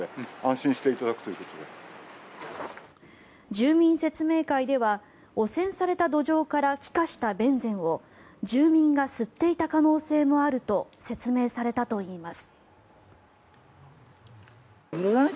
住民説明会では汚染された土壌から気化したベンゼンを住民が吸っていた可能性もあると説明されたといいます。